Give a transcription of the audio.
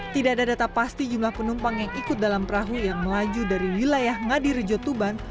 tidak ada data pasti jumlah penumpang yang ikut dalam perahu yang melaju dari wilayah ngadirejo tuban